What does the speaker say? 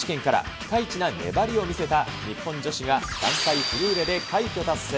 ピカイチな粘りを見せた日本女子が、団体フルーレで快挙達成。